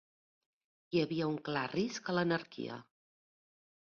Hi havia un clar risc a l'anarquia.